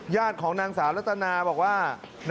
ญาติของนางสาวลัตนาบอกว่า